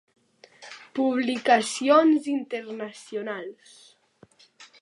Publicacions Internacionals.